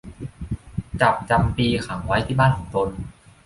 จับจำปีขังไว้ที่บ้านของตน